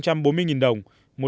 một trăm hai mươi triệu đồng